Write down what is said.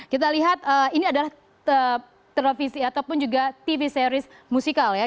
kita lihat ini adalah televisi ataupun juga tv series musikal ya